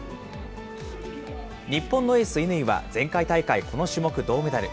日本のエース、乾は前回大会、この種目銅メダル。